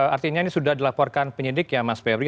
artinya ini sudah dilaporkan penyidik ya mas febri